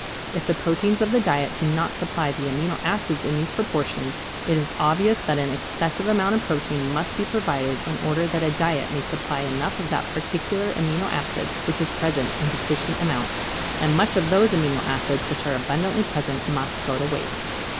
If the proteins of the diet do not supply the amino acids in these proportions, it is obvious that an excessive amount of protein must be provided in order that the diet may supply enough of that particular amino acid which is present in deficient amount, and much of those amino acids which are abundantly present must go to waste.